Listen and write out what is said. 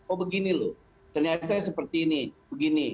oh begini loh ternyata seperti ini begini